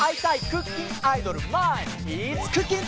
クッキンアイドルまいん！